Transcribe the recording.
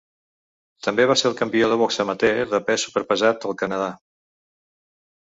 També va ser el campió de boxa amateur de pes superpesat del Canadà.